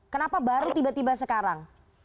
kenapa baru tiba tiba sekarang